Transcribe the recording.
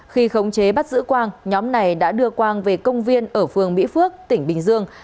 khi khống chế bắt giữ quang nhóm này đã đưa quang về công viên ở phường mỹ phước tỉnh bình dương